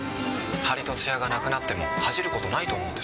張りとツヤがなくなっても恥じることないと思うんです。